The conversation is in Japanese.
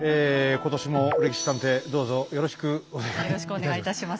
今年も「歴史探偵」どうぞよろしくお願いいたします。